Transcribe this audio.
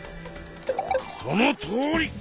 そのとおり！